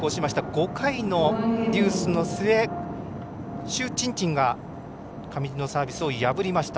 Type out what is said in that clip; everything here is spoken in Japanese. ５回のデュースの末朱珍珍が上地のサービスを破りました。